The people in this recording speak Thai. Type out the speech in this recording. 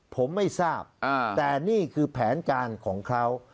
ผมไม่ทราบแต่นี่คือแผนการของเขา